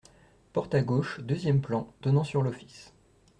Porte à gauche, deuxième plan, donnant sur l’office.